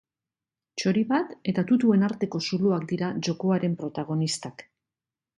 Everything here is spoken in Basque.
Txori bat, eta tutuen arteko zuloak dira jokoaren protagonistak.